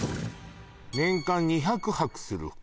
「年間２００泊する」